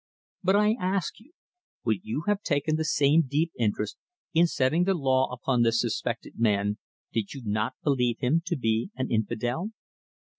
But I ask you, would you have taken the same deep interest in setting the law upon this suspected man did you not believe him to be an infidel?"